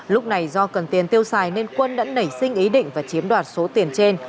lúc này do cần tiền tiêu xài nên quân đã nảy sinh ý định và chiếm đoạt số tiền trên